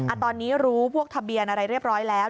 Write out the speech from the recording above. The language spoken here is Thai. อันนี้รู้พวกทะเบียนอะไรเรียบร้อยแล้ว